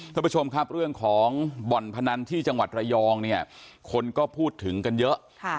ท่านผู้ชมครับเรื่องของบ่อนพนันที่จังหวัดระยองเนี่ยคนก็พูดถึงกันเยอะ